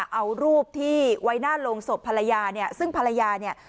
เอารูปที่ไว้หน้าโรงศพภรรยาเนี่ยซึ่งภรรยาเนี่ย